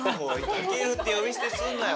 タケルって呼び捨てにすんなよ。